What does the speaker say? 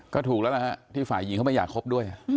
ก็ถูกแล้วนะฮะที่ฝ่ายหญิงเขาไม่อยากคบด้วย